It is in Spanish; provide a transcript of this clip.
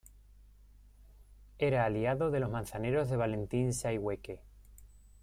Era aliado de los manzaneros de Valentín Sayhueque.